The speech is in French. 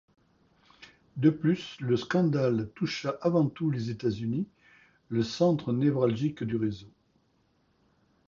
De plus le scandale toucha avant tout les États-Unis, le centre névralgique du réseau.